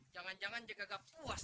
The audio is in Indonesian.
jangan jangan jek agak puas